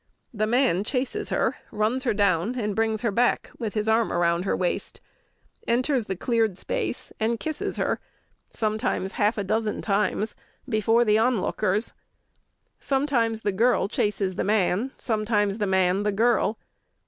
The man chases her, runs her down, and brings her back with his arm around her waist, enters the cleared space, and kisses her, sometimes half a dozen times, before the on lookers. Sometimes the girl chases the man, sometimes the man the girl.